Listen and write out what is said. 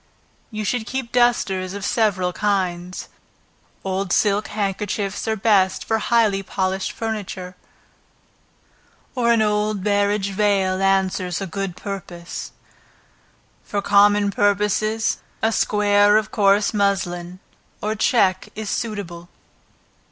You should keep dusters of several kinds. Old silk handkerchiefs, are best for highly polished furniture, or an old barege veil answers a good purpose. For common purposes, a square of coarse muslin, or check is suitable.